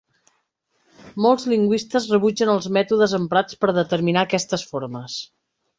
Molts lingüistes rebutgen els mètodes emprats per determinar aquestes formes.